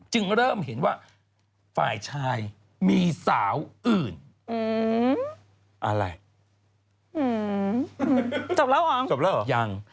จึงเริ่มเห็นว่าฝ่ายชายมีสาวอื่นอะไรจบแล้วเหรอจบแล้วเหรอยัง